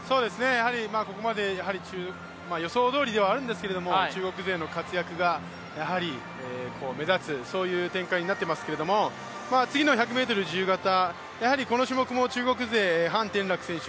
ここまで予想どおりではあるんですけど、中国勢の活躍が目立つ展開になってますけれども、次の１００ｍ自由形、やはりこの種目も中国勢、潘展樂選手